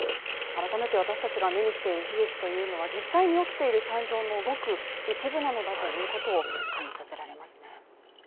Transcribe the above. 改めて私達が目にしている悲劇というのは実際に起きている惨状のごく一部なのだということを感じさせられますね。